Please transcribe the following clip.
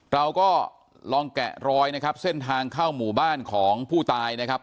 เราก็ลองแกะรอยนะครับเส้นทางเข้าหมู่บ้านของผู้ตายนะครับ